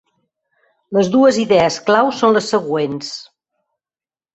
Les dues idees clau són les següents.